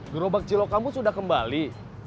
gerobak cilok kamu sudah kembali